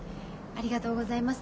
ありがとうございます。